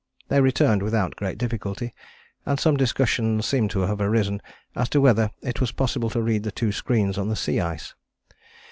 They returned without great difficulty, and some discussion seems to have arisen as to whether it was possible to read the two screens on the sea ice.